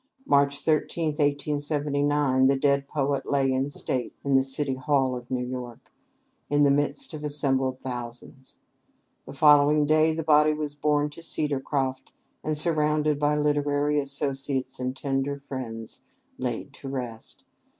March 13, 1879, the dead poet lay in state in the City Hall at New York, in the midst of assembled thousands. The following day the body was borne to "Cedarcroft," and, surrounded by literary associates and tender friends, laid to rest.